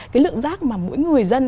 cái lượng rác mà mỗi người dân